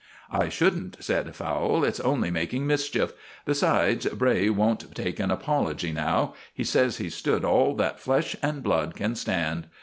"I shouldn't," said Fowle. "It's only making mischief. Besides, Bray won't take an apology now. He says he's stood all that flesh and blood can stand.